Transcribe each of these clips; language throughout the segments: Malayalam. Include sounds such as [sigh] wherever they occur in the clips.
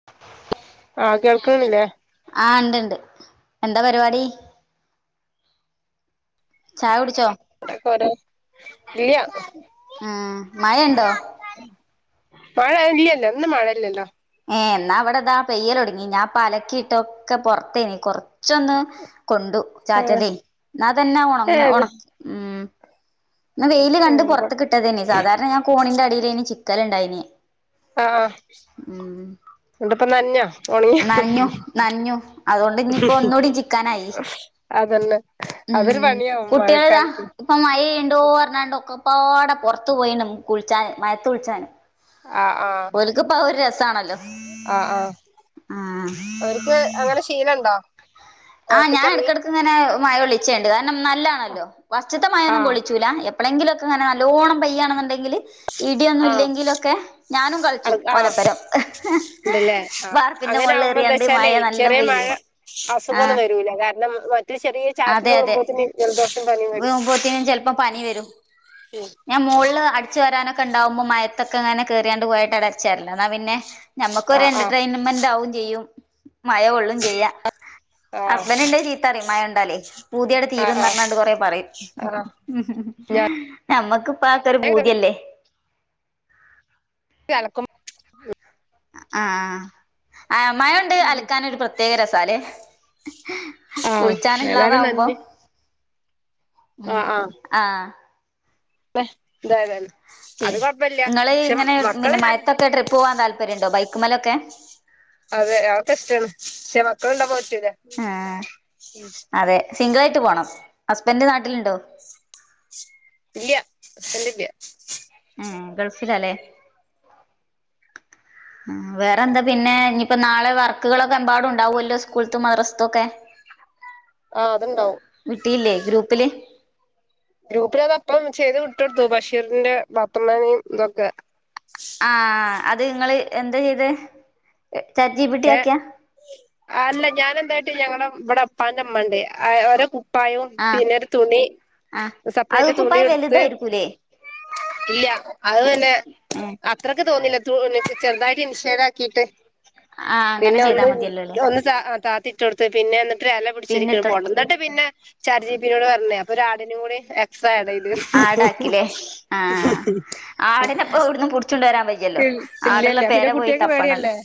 [inaudible] ആഹ്, കേൾക്ണില്ലേ? ആഹ്, ണ്ട്, ണ്ട്, എന്ത പരിവാടി? ചായ യുടിച്ചോ? [unintelligible] ഇല്ല ആഹ്, മഴ ണ്ടോ? മഴ ഇല്ലല്ലോ. ന്ന് മഴ ല്ലല്ലോ? ഏ, ന്നാ വിടെതാ പെയ്യലൊടുങ്ങി. ഞാ പലക്കിയിട്ടൊക്കെ പുറത്തേനി കൊർ ച്ചൊന്ന് കൊണ്ടു ആഹ് ചാറ്റല്, ന്നതന്നെ ഉണ ഏഹ് ഉണക്ക്. ന്ന് വെയില് കണ്ട് പൊർത്ക് ട്ടതൈന് സാധാരണ ഞാൻ കോണിന്റെ അടിയിലേന് ചിക്കല് ണ്ടായ്ന്. ഉം ണ്ട്പ്പ നന്ഞ ഒണ്ങ്യ നനഞ്ഞു നനഞ്ഞു അതുകൊണ്ട് ഇനിയിപ്പോ ഒന്നൂടി ചിക്കാനായി [inaudible] അതന്നെ, അതൊരു പണ്യവും മഴക്കാൽത്ത്. ഇപ്പം മഴ യ്യിണ്ടോ ർഞ്ഞാണ്ട് ഒക്കെപ്പാ ടെ പൊറത്തു പോയിണ്ട്, കുളിച്ചാന് മയത്ത് കുൾച്ചാന്. ഓൽക്ക്പ്പ അ ഒരു രസാണല്ലോ. ആഹ ആഹ ആഹ് ഓര്ക്ക് അങ്ങനെ ശീല ണ്ടോ? ആ ഞാൻഎട്ക്കട് ങ്ങനെ മഴ ഒളിച്ചണ്ട് കാരണം നല്ലാണല്ലോ വസ്റ്റത്തെ മഴൊന്നും ആഹ് കൊള്ളിച്ചൂല. എപ്പ എപ്പോളെ ങ്കിലൊക്ക ങ്ങനെ നല്ലോണം പെയ്യാണെന്നുണ്ടെങ്കില് ഇടിയൊന്നും ആഹ് ഇല്ലെങ്കിലൊക്കെ. ഞാനും അർ കൾചും ആഹ് ഓലപ്പരം. ഹ്, ഹ്, ഇണ്ടല്ലേ ഹ് ആഹ് ബാർപ്പിന്റെ അങ്ങനെ മോൾള് ആവുമ്പോ എറിയാണ്ട് മഴ എന്താച്ചാലേ നല്ലം ചെറിയ മഴ പെയ്യുമ്പോ. അസുഖൊന്നും വരൂല കാരണം മറ്റ് ചെറിയ ചാറ്റല് അതെ ള്ളുമ്പോത്തിന് ജൽ ദോഷും പനിം വരും. ചെല്പം പനി വരും. ഉം ഞാൻ മോൾ ള്. ടിച്ചു വരാനൊക്കെണ്ടാവുമ്പോ മയത്തൊക്കെങ്ങനെ കേറിയാണ്ട് വോയ് എടച്ചരല്ല ന്നാൽ പിന്നെ നമമ്മക്കൊര് ആഹ് ആഹ് ന്റർടൈൻമെന്റ് ആകും ചെയ്യും മഴ ഒള്ളും ചെയ്യ.. ആഹ് ഹസ്ബന്റ ണ്ടെങ്കി ചീത്തറിം മഴ ണ്ടാല്. പൂതിയട് ആഹ് ആഹ് തീരുംന്നറഞ്ഞാണ്ട് കൊറെ പറയും. ആഹ് ഹും ഹും ഹും ഞമ്മക്ക്പ്പ അതൊരു ഭൂത്യല്ലേ? ചലക്കും ആഹ് ആഹ് ആഹ് ആഹ് മയൊണ്ട് അലക്കാനൊരു പ്രത്യേക രസാലേ. ഹ് ആഹ് കുൾച്ചാന് ഏതായാലും ള്ളതാവുമ്പോ. നന്ദി ഉം ആഹ്. മെഹ് താരാണ്. ഹെ, ങ്ങള് ഇങ്ങനെ മക്കള് പിന്നെ ഞാൻ മയത്തൊക്കെ ട്രിപ്പ് പോവാൻ താല്പര്യംണ്ടോ ബൈക്മലൊക്കെ. അതെ അഒക്കെ ഇഷ്ടാണ്. ക്ഷേ മക്കള് ണ്ടാമ്പോൾ പറ്റൂല. ആഹ് അതെ, സിംഗിള യിട്ട് പോണം ഹസ്ബൻഡ് നാട്ടിലുണ്ടോ. ഇല്യ, സ്ബൻഡ് ഇല്യ. എ, ഗൾഫിലാ ല്ലേ? [unintelligible] ഉം, വേറെ ന്ത പിന്നെ. ഞ്ഞിപ്പ നാളെ വർക്കുകളൊക്കെ മ്പാടുണ്ടാവുല്ലോ സ്കൂൾത്തും മദ്റസ്ത്തുക്കെ. ആഹ് അത്ണ്ടാവും. വിട്ടീല്ലേ ഗ്രൂപ്പില്. ഗ്രൂപ്പില് അത് അപ്പം ചെയ്ത് വിട്ടൊട് ത്തു ബഷീറിന്റെ പാത്തുമ്മാനീം തൊക്കെ. ആഹ്, അത് ങ്ങള് എന്ത ചെയ്ത് ചാറ്റ് ജി പി ട്ടി ഏഹ് ആക്കിയ. അല്ല ഞാൻ ന്താട്ടി ഞങ്ങടെ വിടെ ഇപ്പാന്റെ ഇമ്മണ്ട്. ഓര പ്പായു ആഹ് പിന്നെ ഒരു തുണി ആഹ് അത് സപ്പറേറ്റ് തുണി കുപ്പായം ഉടുത്ത്. വലുതായിരിക്കൂലേ ഇല്യ അത് തന്നെ. ഏഹ് അ ഇത്രക്ക് തോന്നില്ല. തു ചെറുതായിട്ട് ഇൻഷേഡാക്കിട്ട്. ആഹ് അങ്ങനെ പിന്നെ, ചെയ്താ ഒന്ന് മതിയല്ലോല്ലേ ഒന്ന് അ താത്തിട്ട് കൊടുത്ത് പിന്നെ എന്നിട്ട് അല പിന്നെ പിടിച്ചിരിക്ക ഇട്ടൊട് പോടം ന്തിട്ട്. പിന്നെ, ചാറ്റ് ജീ ബി നോട് പറഞ് അപ്പൊ ഒരു ആടിനീം കൂടി. എ പ്പൊ ആഡെയ്തു. ഹു ഹു ആടാക്കില്ലേ ഹു ഹു ആഹ് ഹും. ആടിനെപ്പോ ആഹ്, ഇവിടുന്ന് പുടിച്ചോണ്ട് വരാൻ വയ്യല്ലോ ഇല്ല ആടുള്ള ല്ല പെര പിന്നെ പോയി കുട്ടിയക്ക് തപ്പണല്ലോ പേടിയല്ലേ?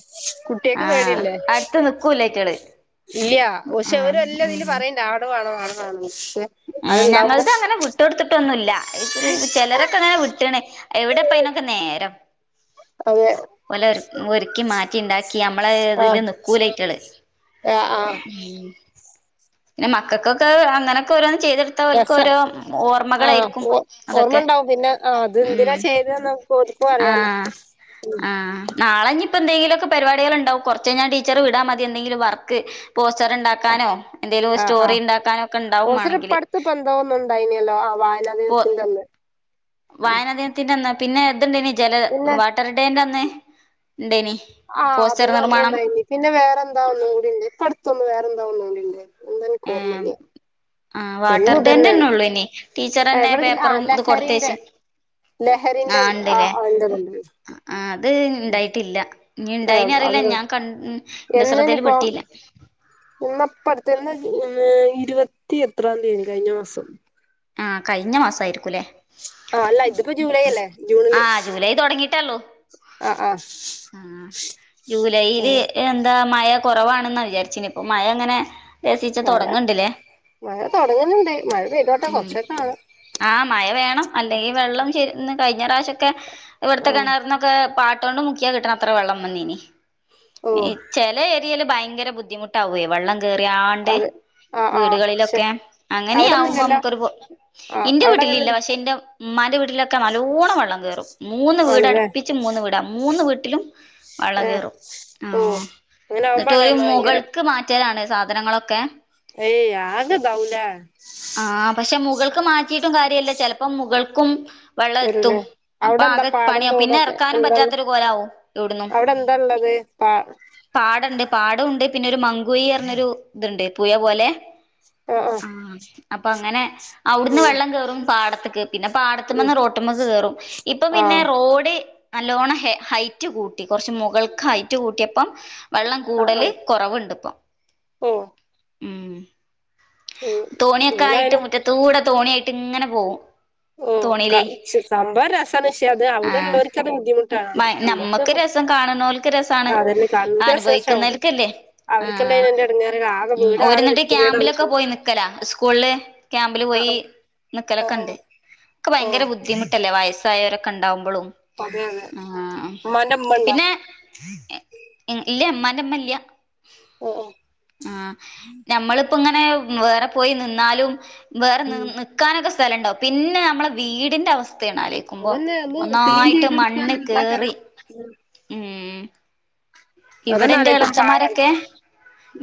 കുട്യക്ക് ആഹ് പേടിയല്ലേ. അടുത്ത് നിക്കൂലയ്റ്റള് ഇല്യ പശേ ഓര് ആഹ് വല്യ തില് പറയും. [unintelligible] ഏ ഞങ്ങൾതങ്ങനെ വ്ട്ടൊട് ത്ത്ട്ടൊന്നുല്ല, ക്റു ചെലരൊക്കെ ങ്ങനെ വ്ട്ട്ണ്. എവിടെപ്പയ്നൊക്കെ നേരം. അതെ ഓലൊര് ഒര്ക്കി മാറ്റിണ്ടാക്കി യമ്മളെ തിൽ ആഹ് ന കൂലയ്റ്റള് ആഹ് ആഹ് ന്നെ മക്കക്കൊക്കവ് അങ്ങനക്കോരോ- ചെയ്ത് രസ ആഹ ഓ അതൊക്കെ ഓർമ്മണ്ടാവും പിന്നെ ആ ത് ന്തിനാ ഉം ചെയ്തന്ന്. കോൽക്കു അറിയാലോ. ആഹ് ആഹ്. നാളെഞ്ഞ്പ്പ ന്തേങ്കിലൊക്കെ പരിപാടികൾ ണ്ടാവും കൊർച്ചയ് ഞാ ടീച്ചർ വിടാ മതി എന്തെിലും വർക്ക് പോസ്റ്ററ്ണ്ടാ- ക്കാനോ എന്തെലും സ്റ്റോറി ണ്ടാക്കാനോക്കെ ണ്ടാവു മാണെങ്കില്. ത്പ്പന്തോ ന്ന്ണ്ടായിനല്ലോ ആ വായ പോ വായനാദിനത്തിന്റന്നാ പിന്നെ ത്ണ്ടയ്നി ജല പിന്നെ വാ ട്ടർഡേന്റന്ന് ണ്ടനി. ആഹ് അതിന് അന്നുണ്ടായിനി പിന്നെ വേറെന്താ ഒന്നും കൂടിണ്ട് പട്ത്തൊന്നും വേറെന്താ ഒന്നൂടിണ്ട്. എന്തൻ ഏഹ് കോർമല്യ. ആഹ് വാട്ടർ ഡേന്റെ എന്നുതന്നേണ് തന്നെ ഉള്ളൂ ഇനി ടീച്ചറന്നെ എവടെ ജ് ന്നെ ആഹ് പേപ്പറും ഇത് ലെഹരിന്റെ. കൊടുത്തേച്ച് ലഹരിന്റത് ആ അത്ൻ്റെ [unintelligible] ആ അത് ണ്ടായിട്ടില്ല, ഞ് ണ്ടായി ഏഹ് നൊറില അത് ഞാ കൺ ന്റെ സ്രദ്ധേൽ പെട്ടില്ല. ഉമ്മപ്പട്ത്ത് എന്നാ ആ ഇരുവത്തി എത്രാന്തിയേനി കൈഞ്ഞ മാസം. ആഹ് കഴിഞ്ഞ മാസായിരിക്കൂല്ലേ ശ് ആ ല്ല ഇത്പ്പോ ജൂലൈ അല്ലേ ജൂണ്ല്. തൊട്ങ്ങിട്ടേള്ളു. ആഹ് ആഹ്. ആഹ് ആഹ് ജൂലായീല് ആഹ് എന്താ മയ കൊറവാണ് ന്നാ വിചാരിചീനെ പ്പമയങ്ങനെ. ലെസീച്ചെ മഴ തൊടങ്ങ്ണ്ട്ലെ? മഴ തൊടങ്ങ്ണ് ണ്ട് മഴ പെയ്തോട്ടെ ഉം കൊർച്ചൊക്കാണ. ആഹ് മയ വേണം, അല്ലെങ്കി വെള്ളം ശെന്ന് കയ്ഞ്ഞ റാ ശൊക്കെ- ഇവ്ട്ത്തെ ആഹ് കെണർന്നൊക്കെ പാട്ടോണ്ട് മുക്കിയാ കിട്ടണത്ര വെള്ളം വന്നീനി ഇ ഓഹ് ചെല ഏര്യേല് ഭയങ്കര ബുദ്ധിമുട്ടാവോയ് വെള്ളം. കേറ്യാണ്ട് അതെ ആഹ് ആഹ് ശെ വീട്കളിലൊക്കെ അങ്ങന്യാവും. അവിടൊന്നുല്ലല്ലോ പ്പമ്മക്കൊര്പൊ ആഹ് ന്റെ അവിടെ വീട്ട്ലില്ല അങ്ങനെല്ല പക്ഷെ ന്റെമ്മാന്റെ വീട്ട്ലൊ- ക്കെ നല്ലോണം വെള്ളം കേറും. മൂന്ന് വീട ആണല്ലേ ട്പ്പിച്ച് മൂന്ന് വീട മൂന്ന് വീട്ട്ലും. വള്ളം ഏഹ് കേറും. ഓ ആഹ് അങ്ങനെ ന്നട്ട് ആവുമ്പാണ് ഓല് നമ്മ ഭയങ്കര മുകൾക്ക് മാറ്റലാണ് സാധനങ്ങളൊക്കെ. ഏയ് ആകതാവുലെ? ആഹ് പക്ഷെ മുകൾക്ക് മാറ്റീട്ടും കാര്യല്ല, ചെലപ്പോ മുകൾക്കും. വെള്ള എത്തും വരൂലേ അവിടെ എന്താ അപ്പാകെ പാടം പണ്യ പിന്നെ തോടൊക്കെ എർക്കാനും എന്താള്ള പറ്റാത്തൊരു കോലാവും എവ്ട്ന്നും. പ. പാടണ്ട് പാടോണ്ട് പിന്നെരു മങ്കുയി അർഞ്ഞൊരു ത്ണ്ട്, പുയ പോലെ. ആഹ് അപ്പ അങ്ങനെ അവുട്ന്ന് ഉം വെള്ളം കേറും പാടത്ത്ക്ക്. പിന്നെ ഉം പാടത്ത്മ്മന്ന് റോട്ട്മ്മക്ക് കേറും. ഇപ്പ പിന്നെ ആഹ് റോഡ്- നല്ലോണം ഹെ ഹൈറ്റ് കൂട്ടി കൊർച്ച് മുകൾക്ക് ഹൈറ്റ് കൂട്ട്യപ്പം വെള്ളം കൂടല്. കൊറവ്ണ്ട് പ്പം. ഓഹ്. ഉം. തോണ്യക്കായിട്ട് എങ്ങനായാലും മുറ്റത്തൂടെ തോണ്യായ്ട്ട് ങ്ങനെ പോവും. ഉം ക തോണിയിലേ ച്ച് സംഭവം രസാണ് ക്ഷെ അത് അവടെള്ളോര്ക്കത് ബുദ്ധിമുട്ടാണ് സംഭവം. ഒക്ക രസം. കാണ് ണോൽക്ക് രസാണ്. കാണുന്നോർക്ക് രസാ പക്ഷെ അവിടെ അനുഭവിക്കുന്നോൽക്കല്ലേ. അവർക്കല്ലേ ആഹ് അതിന്റെ ഇടങ്ങേറ് ആകെ മ് വീട് ആകെ വൃത്തികേടാവും ഓര്ന്ത്ക്യാമ്പിലൊ ക്കെ ചെയ്യും പോയി നിക്കലാ സ്കൂൾല് ക്യാമ്പില് പോയി ആഹ് ആഹ് ന്ക്കലൊക്കണ്ട്. ആഹ് ഒക്കെ ഓ ഭയങ്കര ബുദ്ധിമുട്ടല്ലേ വയസ്സായോരൊക്കെണ്ടാവുമ്പളും അതെ അതെ ആഹ് ഉമ്മാന്റെ ഉമ്മ ഉണ്ടോ പിന്നെ ഇല്ല മ്മാന്റെമ്മല്ല ആഹ് ആഹ് ആഹ് നമ്മള് എ വേറെ പോയി നിന്നാലും വേറെ ഉം നിക് ന്ക്കാനൊക്കെ സ്ഥലണ്ടാവും പിന്നെ നമ്മളെ വീടിന്റെ അവസ്ഥണ് ആലോയ് ക്കുമ്പോ അതന്നെ അത് ക്ലീൻ ഒന്നായ്ട്ട് ചെയ്തെടുക്കാൻ മണ്ണ് കേറി എന്താക്കാരം മ് ഇവടെ അതന്നെ ന്റെ ആലോചിക്കുമ്പോ പാവാണ് ഇളച്ചന്മാരൊക്കെ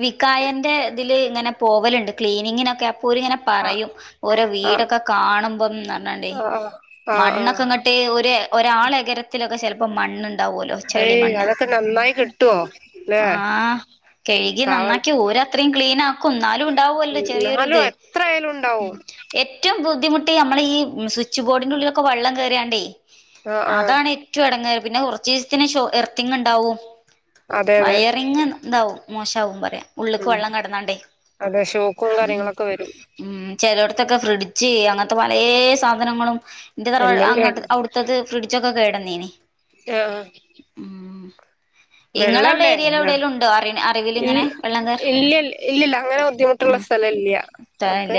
വിക്കായന്റെ തില് ങ്ങനെ പ് പോവല്ണ്ട് ക്ലീനിങ്ങിനൊക്കെ അപ്പോല്ങ്ങനെ ആഹ് പറയും ഓരോ ആഹ് വീടൊക്കെ കാണുമ്പം [unintelligible] ആഹ് ആഹ് ആഹ് മണ്ണൊക്കെങ്ങട്ട് [unintelligible] ഒര് ഒരാളെകരത്തിലൊക്കെ ചെലപ്പോ മണ്ണ്ണ്ട് ഏയ് അതൊക്കെ നന്നായി [unintelligible] ല്ലേ ആഹ് കെയ്കി പാവാണ് നന്നാക്കി ഓരത്രീം ക്ലീനാ എന്നാലുണ്ടാവല്ലോ ഉം എന്നാലും ചെറിയോര്ത് എത്ര ആയാലും മ് ഉണ്ടാവും ഏറ്റവും ബുദ്ധിമുട്ട് നമ്മളെ ഈ സ്വിച്ച് ബോർഡിന്റൊക്കെ ഉള്ളിലൊക്കെ വള്ളം കേറ്യാണ്ടേയ് ആഹ് ആഹ് അതാണ് ഏറ്റവും എടങ്ങേറ് പിന്നെ കൊറച്ചീസത്തിന് ഷോ എർത്തിങ്ങ്ണ്ടാവും അതെ അതെ വയറിങ്ങ് ഇതാവും മോശവും പറയാം ഉള്ളിക്ക് ഉം വെള്ളം കിടന്നാണ്ടേ അതെ ഷോക്കും ഉം കാര്യങ്ങളൊക്കെ വരും ഉം ചെലോട്ത്തൊക്കെ ഫ്രിഡ്ജ് അങ്ങനത്തെ പലേ സാധനങ്ങളും ന്റെ തറവാട് എല്ലാം കേ അങ്ങട്ട് അവ്ട് [unintelligible] [unintelligible] ഫ്ർഡ്ജൊക്കെ കേടന്നീനി ആഹ് ഉം ഇങ്ങളവിടെ വെള്ളല്ലേ ഏരിയൽ ആഹ് എവിടേലും ഉണ്ടോ അറി അറിവിൽ ഇൽ ഇങ്ങനെ വെള്ളം കേർ ഇല്ല ഇല്ലില്ല അങ്ങനെ ബുദ്ധിമു ത്രല്ല സ്ഥലല്ല ഓക്കെ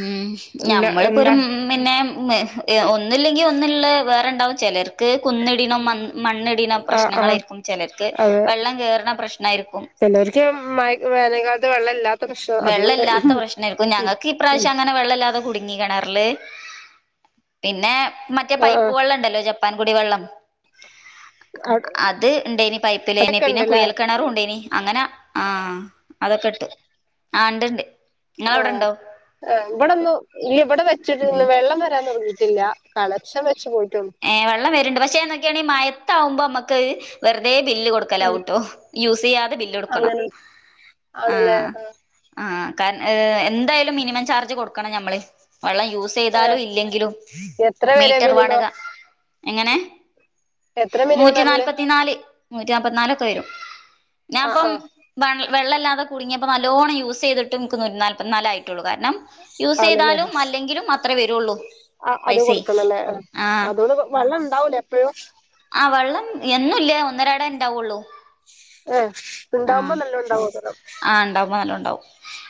മ് ഇല്ല ഞമ്മളിപ്പോര് ഇണ്ടാ മ് പിന്നെ ഒന്നില്ലെങ്കിൽ ഒന്ന്ള്ളെ വേറെണ്ടാവും ചെലർക്ക് കുന്നി മ മണ്ണിടിന ആഹ് ആഹ് പ്രശ്നങ്ങനായിരിക്കും ചിലർക്ക് വെള്ളം കയറുന്ന പ്രശ്നായിരിക്കും ചെല്ലവർക്കും മ വേനൽക്കാലത്ത് വെള്ളം മില്ലാത്ത വെള്ളല്ലാത്ത പ്രശ്നമായിരിക്കും ഞങ്ങൾക്ക് ഇപ്രാവശ്യം അങ്ങനെ വെള്ളമല്ലാതെ കുടിക്ക കിണറിലു മറ്റേ പൈപ്പ് ആഹ് വെള്ളം ഉണ്ടല്ലോ ജപ്പാൻ ജപ്പാൻകുടി വെള്ളം ആഹ് അത് ഉണ്ടേനി പൈപ്പിലേന് അതൊക്കെ പിന്നെ ഉണ്ടല്ലേ കുയൽ കിണറും ഉണ്ടേനി അങ്ങനെ ആഹ് അതൊക്കെ ഇട്ടു ആ ഇണ്ടണ്ട് ആഹ ആ ഇവിടെന്നും ഇല്ല ഇവിടെ വെച്ചിട്ടുണ്ട് വെള്ളം വരാൻ തുടങ്ങീട്ടില്ല [unintelligible] വെച്ചു പോയിട്ട ഏ വെള്ളം വരുണ്ട് പക്ഷേ നോക്കിയാണെങ്കിൽ മയത്താവുമ്പോ നമ്മുക്ക് വെറുതെ ബില്ല് ഉം കൊടുക്കലാവട്ടോ യൂസ് ചെയ്യാതെ ബില്ല കൊടുക്കണം അങ്ങനെ ആണല്ലേ ആഹ ആ കാരണം എന്തായാലും മിനിമം ചാർജ് കൊടുക്കണം നമ്മള് വെള്ളം യൂസ് ചെയ്താലും ഇല്ലെങ്കിലും എത്ര വരെ മീറ്റർ വാടക മിനിമം എങ്ങനെ എത്ര മിനിമം വരല് നൂറ്റിനാല്പത്തിനാല് നൂറ്റിനാല്പത്തി നാല് ഒക്കെ വരും ആഹ് ഞാൻപ്പം ആഹ് വ വെള്ളല്ലാതെ കുടുങ്ങിയപ്പോ നല്ലോണം യൂസ് ചെയ്തിട്ട് നക്ക് ഒരു നൂറ്റിനാല്പത്തിനാല ആയിട്ടുള്ളൂ കാരണം യൂസ് ആണല്ലേ ചെയ്താലും അല്ലെങ്കിലും അത്രേ വരുള്ളൂ പൈസ ആഹ് വെല്ലം ഉണ്ടാവൂല എപ്പോഴും ആ വെള്ളം എന്നുംല്ല ഒന്നരട ഉണ്ടാവുള്ളൂ ഏ ഉണ്ടാവുമ്പോ നല്ല [unintelligible] ആ ഉണ്ടാവുമ്പോ നല്ല ഉണ്ടാവും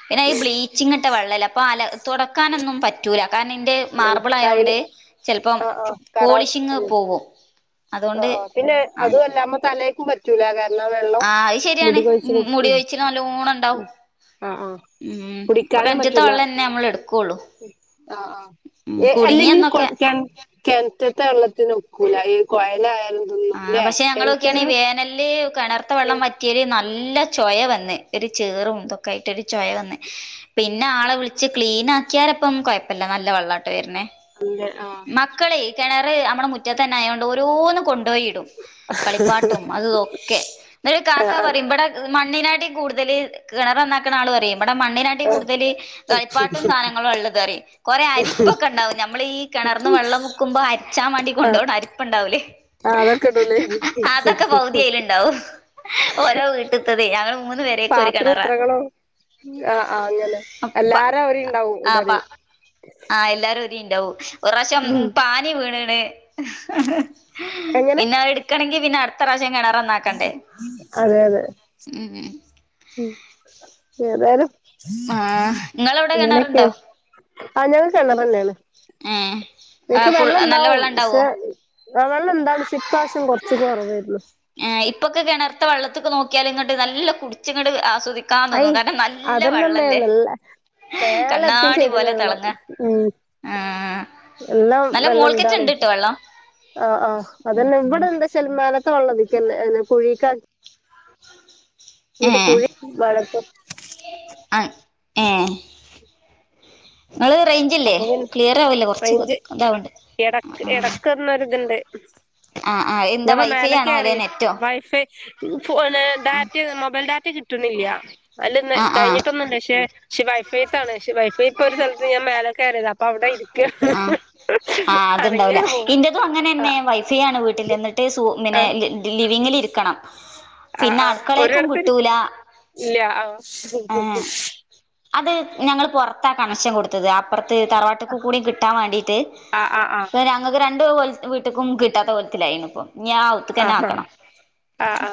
പിന്നെ ഈ ബ്ലീച്ചിംങ് [unintelligible] അപ്പോ അ തുടക്കാനൊന്നും പറ്റൂല്ല കാരണം എൻ്റെ ഉം മാർബിൾ കായല് ആയൊണ്ട് ചിലപ്പം ആഹ് ആഹ് കറ പോളിഷിങ് ഉം പോകും പിന്നെ അതും അല്ല [unintelligible] ആ അയ് ശരിയാണ് കൊഴിച്ചില് മുടി ഉം കൊഴിച്ചില് നല്ലോണം ഉണ്ടാവും ആഹ് ആഹ് ഉം അപ്പൊ കിറ്റത്തെ വെള്ളം തന്നെ നമ്മൾ എടുക്കുള്ളൂ അ ആ ഉം അല്ലെങ്കും കുടുങ്ങിയന്നൊക്കെ കൊളക്കാൻ കിണറ്റത്തെ വെള്ളത്തി നൊക്കൂല ഈ കൊയലായാലും ഇതൊന്നും ആ ല്ലേ പക്ഷെ ഞങ്ങൊക്കെയാണി ഈ കെൺറ്റില് വേനല് കിണർത്ത വെള്ളം ഉം വറ്റിയല് നല്ല ചോയ വന്ന് ഒരു ചേറുംന്തൊക്ക ആയിട്ട് ഒരു ചോയ വന്ന് പിന്നെ ആളെ വിളിച്ച് ക്ലീൻ ആക്കിയാരപ്പം കൊഴപ്പല്ല നല്ല വെള്ളാട്ടൊ വരണേ പിന്നെ ആ മക്കളെ കിണർ നമ്മുടെ മുറ്റത്ത്ന്നെ ആയോണ്ട് ഓരോന്ന് കൊണ്ടോയിടും കളിപ്പാട്ടും അതുതൊക്കെ എന്നിട്ട് ആഹ് കാക്ക ആഹ് പറയുമ്പടെ മണ്ണിനാട്ടിം കൂടുതല് കിണറന്നാക്കണുന്ന ആൾ പറയു ഇബടെ മണ്ണിനാട്ടി കൂടുതല് കളിപ്പാട്ടും സാധനങ്ങളും ഉള്ളതറി കൊറെ അരിപ്പൊക്കെ ഉണ്ടാവും നമ്മളെ ഈ കണർന്ന് വെള്ളം മുക്കുമ്പോ അരിച്ചാൻ വണ്ടി ആഹ് കൊണ്ടോവ്ന്ന് അരിപ്പുണ്ടാവലേ ആഹ് അതൊക്കെ ഇടൂലേ അതൊക്കെ പൗതി ആയിലിണ്ടാവും ഓരോ വീട്ട്ത്തത് ഞങ്ങള് മൂന്ന് പേ പാത്ര എത്രകളോ ആ ആഹ് അങ്ങനെ അപ്പ എല്ലാരെ ഓരി ഇണ്ടാവും ഇടല് ആ എല്ലാരും [unintelligible] ഒരു റാഷം ഉം പാനി വീണിണ് എങ്ങനെ പിന്നെ അ ക്കാണങ്കി പിന്നെ അടുത്ത പ്രാശ്യം കിണറ നന്നാക്കണ്ടേ അതെ അതെ ഉ ഏതായാലും ആഹ് ഇങ്ങളവിടെ ഇങ്ങനൊക്കെയ കിണറുണ്ടോ അ ഞങ്ങക്ക് കിണറന്നെയാണ് ഏഹ് എനിക്ക് ആഹ് ഫുൾ വെള്ള നല്ല ഇണ്ടാവും വെള്ളം ഉണ്ടാവോ പക്ഷെ ആ വെള്ളം എന്താണ് ഇപ്പ്രാശം കുറച് കുറവായിരുന്നു ഇപ്പൊക്കെ കിണത്ത വള്ളത്തൊക്കെ നോക്കിയാലും ഇങ്ങോട്ട് നല്ല കുടിച്ചിങ്ങോട് ആസ്വദിക്കും അയ് അതന്നമ്മേന്നല്ല മേലത്തിയും കണ്ണാടി ചെയ്തിന് പോലെ വെള്ളം തിളങ്ങ ആഹ് എല്ലാം നല്ല വെള്ളം മോൾക്കറ്റ് ഉണ്ടാനു ഇണ്ട്ട്ടോ വെള്ളം ആ ആഹ് അതന്നെ ഇവിടെ എന്ത സെൽമാനത്ത വേള്ളതിക്കെന്നെ കുഴിക്ക വീട്ട കുഴി വ [unintelligible] ആ ഏ ഇങ്ങള് റൈ ഇല്ലേ അപ്പൊ ക്ലിയർ ആവില്ലേ കുറച്ച് ഇതാവണ്ട് ഇടക്ക് എടക്ക്ന്നൊരി ഇതുണ്ട് ആഹ് ആഹ് എന്താ ഞപ്പൊ വൈഫൈ ആണോ അല്ലെ മേലൊക്കെറീ നെറ്റോ വൈഫയി ഫോ ഡാറ്റ മൊബൈൽ ഡാറ്റ കിട്ട്ണില്ല അല്ലന്ന് ആഹ് ആഹ് കഴിഞ്ഞിട്ടൊന്നുംല്ല പക്ഷെ പക്ഷ വൈഫൈത്താണ് ക്ഷെ വൈഫൈ ഇപ്പൊ ഒരു സ്ഥലത്ത് ഞാൻമെല്ലെ കേറിയാത അപ്പൊ അവിടെയി ആ ആ അത്ണ്ടാവില്ല പോവും ഇൻ്റതും ആ അങ്ങനെന്നെ വൈ വൈഫയാ വീട്ടില് എന്നിട്ട് ശു ആ ലിവിങ്ൽ ഇരിക്കണം ആ പിന്നെ ആ അടുകളയിലേക്കും ഒരിടത്ത് കിട്ടൂല ലാ ഇല്ല ആ അത് ഞങ്ങൾ പുറത്താ കണക്ഷൻ കൊടുത്തത് അപ്പുറത്ത് തറവാട്ട കൂടി കിട്ടാൻ വേണ്ടീട്ട് ആ ആ ആ ക്ക് രണ്ട് വീട്ട്ക്കും കിട്ടാത്ത കൊലത്തിലായിണ് ഇപ്പ ഇഞ്ഞാ അവുത്ക്കന്നെ ആക്കണം ആഹ് ആ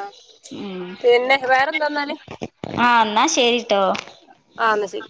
പിന്നെ വേറെന്താന്നാല് ആ എന്നാ ശരിട്ടോ ആ എന്ന ശരി